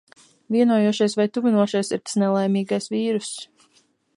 Vienojošais vai tuvinošais ir tas nelaimīgais vīruss.